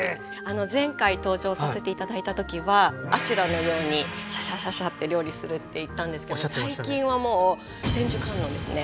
前回登場させて頂いた時は阿修羅のようにシャシャシャシャッて料理するって言ったんですけど最近はもう千手観音ですね。